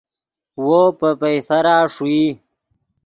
وو پے پئیفرا ݰوئی